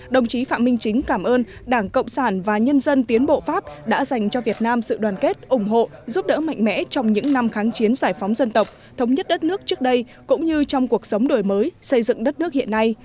đồng chí phạm minh chính cảm ơn đảng cộng sản và nhân dân tiến bộ pháp đã dành cho việt nam sự đoàn kết ủng hộ giúp đỡ mạnh mẽ trong những năm kháng chiến giải phóng dân tộc thống nhất đất nước trước đây cũng như trong cuộc sống đổi mới xây dựng đất nước hiện nay